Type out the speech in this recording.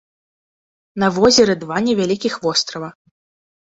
На возеры два невялікіх вострава.